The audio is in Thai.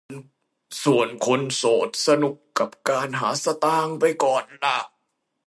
ส่วนคนโสดสนุกกับการหาสตางค์ไปก่อนล่ะ